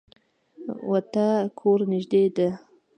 د تا کور نږدې ده